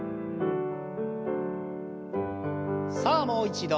さあもう一度。